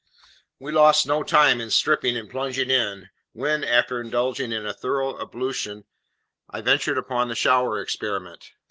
We lost no time in stripping and plunging in, when, after indulging in a thorough ablution, I ventured upon the shower experiment.